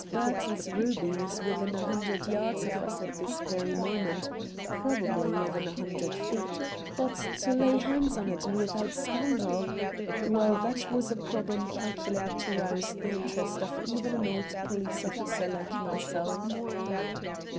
Burton's ruby was within a hundred yards of us at this very moment, probably within a hundred feet; but to lay hands on it and without scandal well, that was a problem calculated to rouse the interest of even an old police officer like myself.